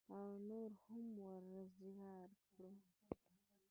او نور هم ورزیات کړو.